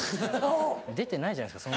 出てないじゃないですか